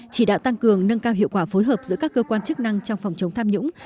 chỉ đạo tăng cường nâng cao hiệu quả phối hợp giữa các cơ quan chức năng trong phòng chống tham nhũng